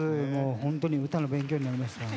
本当に歌の勉強になりました。